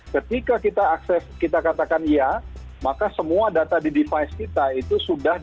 ketika kita akses kita katakan iya maka semua data di device kita itu sudah